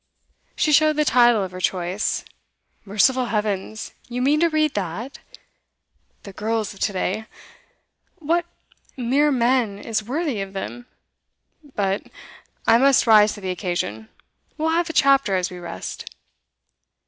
She showed the title of her choice. 'Merciful heavens! You mean to read that? The girls of to day! What mere man is worthy of them? But I must rise to the occasion. We'll have a chapter as we rest.